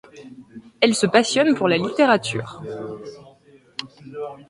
Elle se passionne pour la littérature.